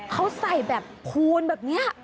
เขาใส่แบบคูณแบบนี้